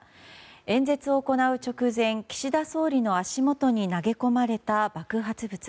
演説を行う直前岸田総理の足元に投げ込まれた爆発物。